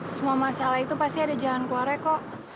semua masalah itu pasti ada jalan keluarnya kok